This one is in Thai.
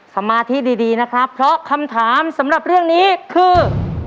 สมาธิดีนะครับเพราะคำถามสำหรับเรื่องนี้คือ